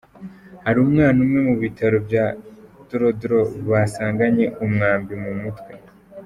Hari umwana umwe mu bitaro bya Drodro basanganye umwambi mu mutwe.